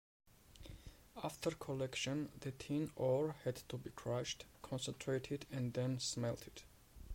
After collection the tin ore had to be crushed, concentrated and then smelted.